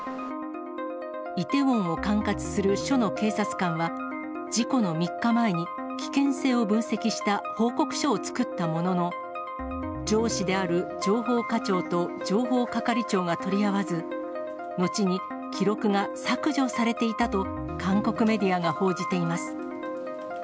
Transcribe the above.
イテウォンを管轄する署の警察官は、事故の３日前に、危険性を分析した報告書を作ったものの、上司である情報課長と情報係長が取り合わず、後に、記録が削除されていたと韓国メディアが報じています。